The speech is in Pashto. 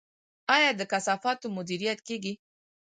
آیا د کثافاتو مدیریت کیږي؟